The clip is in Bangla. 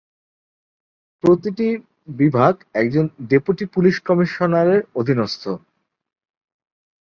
প্রতিটি বিভাগ একজন ডেপুটি পুলিশ কমিশনারের অধীনস্থ।